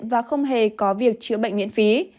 và không hề có việc chữa bệnh miễn phí